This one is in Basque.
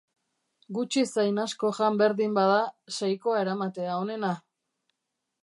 Gutxi zein asko jan berdin bada, seikoa eramatea onena!